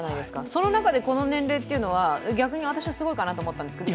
その中でこの年齢というのは逆にすごいかなと思ったんですけど。